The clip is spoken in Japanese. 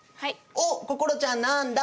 おっこころちゃんなんだ！